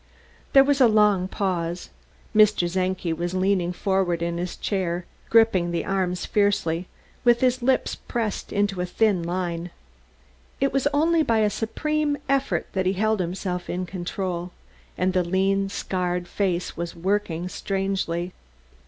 There was a long pause. Mr. Czenki was leaning forward in his chair, gripping the arms fiercely, with his lips pressed into a thin line. It was only by a supreme effort that he held himself in control; and the lean, scarred face was working strangely.